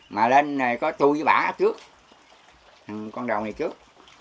mà lên có tui với bà trước con đầu này trước